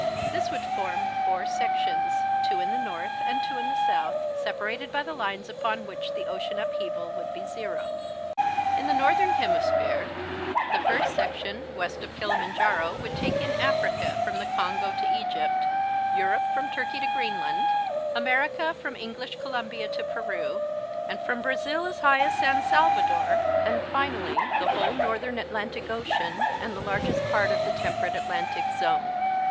This would form four sections, two in the north and two in the south, separated by the lines upon which the ocean upheaval would be zero. In the northern hemisphere: The first section west of Kilimanjaro would take in Africa from the Congo to Egypt, Europe from Turkey to Greenland, America from English Columbia to Peru, and from Brazil as high as San Salvador, and finally the whole northern Atlantic Ocean and the largest part of the temperate Atlantic zone.